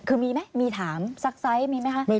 คือมีไหมมีถามซักไซส์มีไหมคะ